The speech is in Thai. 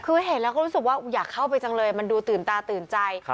คือเห็นแล้วก็รู้สึกว่าอยากเข้าไปจังเลยมันดูตื่นตาตื่นใจ